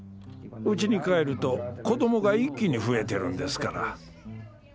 うちに帰ると子どもが一気に増えてるんですから。